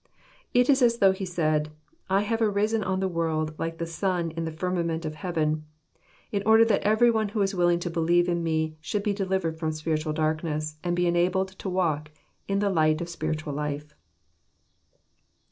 It is as though He said, *' I have arisen on the world like the sun in the firmament of heaven, in order that every one who is willing to believe in Me should be delivered from spiritual darkness, and be enabled to walk in the light of spiritual life."